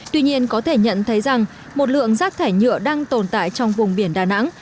tuy nhiên có thể nhận thấy rằng một lượng rác thải nhựa đang tồn tại trong vùng biển đà nẵng